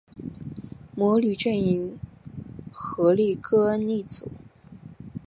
魔女阵营荷丽歌恩一族